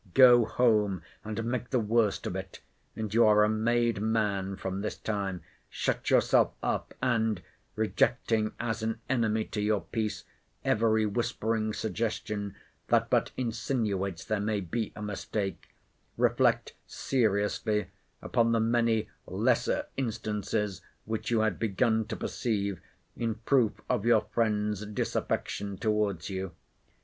Go home, and make the worst of it, and you are a made man from this time. Shut yourself up, and—rejecting, as an enemy to your peace, every whispering suggestion that but insinuates there may be a mistake—reflect seriously upon the many lesser instances which you had begun to perceive, in proof of your friend's disaffection towards you.